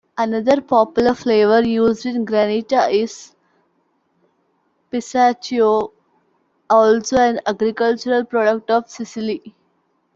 Another popular flavor used in granita is pistachio, also an agricultural product of Sicily.